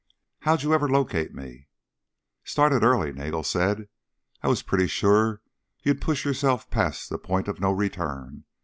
"How'd you ever locate me?" "Started early," Nagel said. "I was pretty sure you'd push yourself past the point of no return.